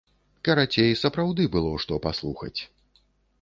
Карацей, сапраўды было што паслухаць.